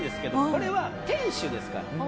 これは天守ですから。